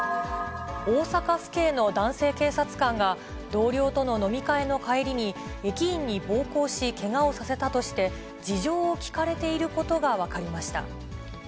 大阪府警の男性警察官が、同僚との飲み会の帰りに、駅員に暴行し、けがをさせたとして、事情を聴かれていることが分かりました。